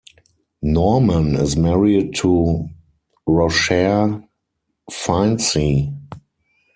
Norman is married to Roshare Finecey.